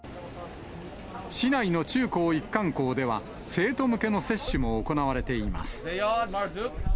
市内の中高一貫校では、生徒向けの接種も行われています。